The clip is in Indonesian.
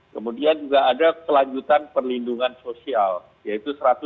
kemudian juga ada kelanjutan perlindungan sosial yaitu satu ratus enam puluh